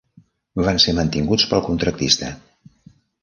Van ser mantinguts pel contractista.